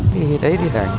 thì đấy thì phải